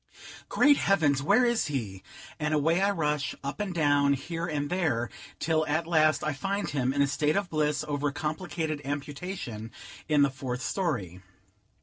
Great heavens! where is he? and away I rush, up and down, here and there, till at last I find him, in a state of bliss over a complicated amputation, in the fourth story.